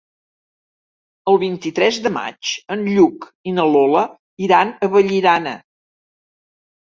El vint-i-tres de maig en Lluc i na Lola iran a Vallirana.